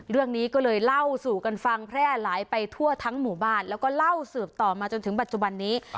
เรื่องนี้ก็เลยเล่าสู่กันฟังแพร่หลายไปทั่วทั้งหมู่บ้านแล้วก็เล่าสืบต่อมาจนถึงปัจจุบันนี้